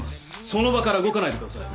その場から動かないでください。